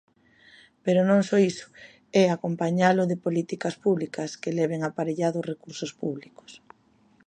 Pero non só iso, é acompañalo de políticas públicas que leven aparellados recursos públicos.